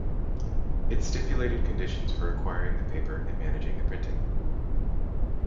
It stipulated conditions for acquiring the paper and managing the printing.